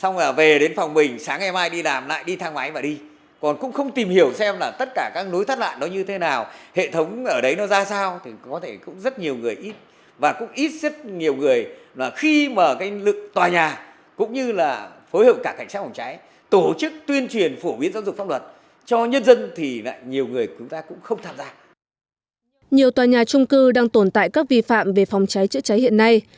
nhiều tòa nhà trung cư đang tồn tại các vi phạm về phòng cháy chữa cháy hiện nay